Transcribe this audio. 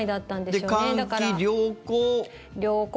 で、換気良好。